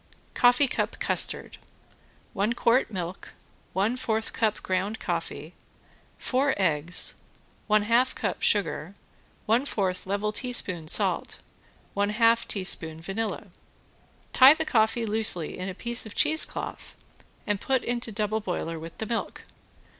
~COFFEE CUP CUSTARD~ One quart milk, one fourth cup ground coffee, four eggs, one half cup sugar, one fourth level teaspoon salt, one half teaspoon vanilla. Tie the coffee loosely in a piece of cheesecloth and put into double boiler with the milk.